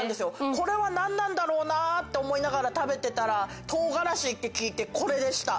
これは何なんだろうなって思いながら食べてたら唐辛子って聞いてこれでした。